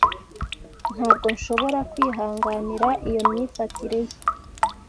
Ntabwo nshobora kwihanganira iyo myifatire ye.